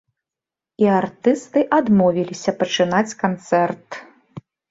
І артысты адмовіліся пачынаць канцэрт.